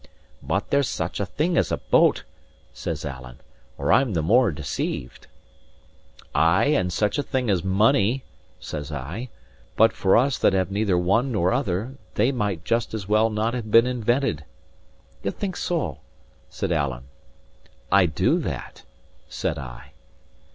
"But there's such a thing as a boat," says Alan, "or I'm the more deceived." "Ay, and such a thing as money," says I. "But for us that have neither one nor other, they might just as well not have been invented." "Ye think so?" said Alan. "I do that," said I.